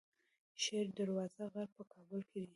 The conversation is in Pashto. شیر دروازه غر په کابل کې دی